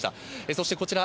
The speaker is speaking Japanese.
そしてこちら